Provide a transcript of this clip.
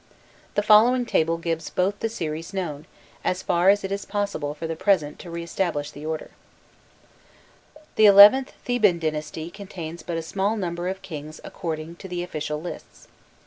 The following table gives both the series known, as far as it is possible for the present to re establish the order: [Illustration: 360.jpg LISTS ON THE MONUMENTS] The XIth (Theban) dynasty contains but a small number of kings according to the official lists.